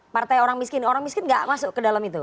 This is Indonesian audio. partai orang miskin orang miskin nggak masuk ke dalam itu